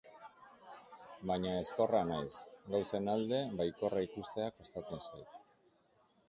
Baina ezkorra naiz, gauzen alde baikorra ikustea kostatzen zait.